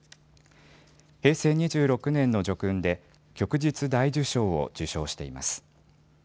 平成２６年の叙勲で旭日大綬章を受章しています。